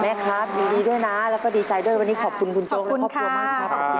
ครับยินดีด้วยนะแล้วก็ดีใจด้วยวันนี้ขอบคุณคุณโจ๊กและครอบครัวมากครับ